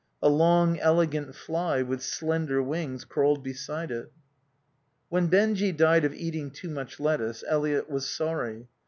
A long, elegant fly with slender wings crawled beside it. When Benjy died of eating too much lettuce Eliot was sorry.